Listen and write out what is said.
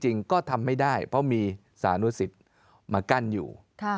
จริงก็ทำไม่ได้เพราะมีสานุสิตมากั้นอยู่